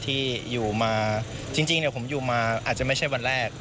ที่อยู่มาจริงผมอยู่มาอาจจะไม่ใช่วันแรก